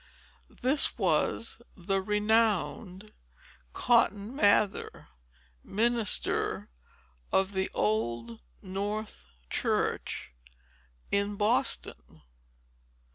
This was the renowned Cotton Mather, minister of the Old North Church in Boston.